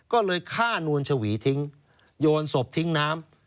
ก็เลยฆ่านวลชวีทิ้งโยนศพทิ้งน้ำ